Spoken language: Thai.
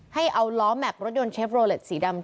ให้เอาล้อแม็กซรถยนต์เชฟโรเล็ตสีดำ